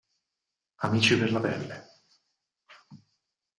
Amici per la pelle